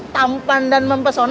tampan dan mencari celana